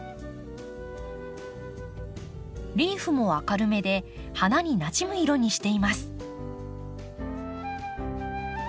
リーフも明るめで花になじむ色にしています。